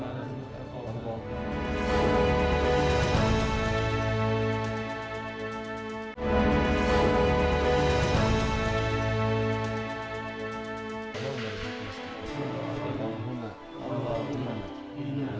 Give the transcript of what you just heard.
atlet binaan emtc diwajibkan mengisi waktu dengan belajar agama